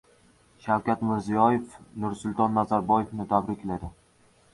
Shavkat Mirziyoyev Nursulton Nazarboyevni tabrikladi